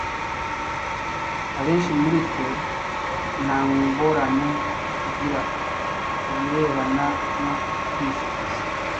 Abenshi muri twe nta ngorane tugira kubirebana no kwifuza,